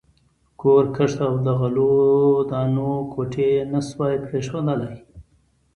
کور، کښت او د غلو دانو کوټې یې نه شوای پرېښودلای.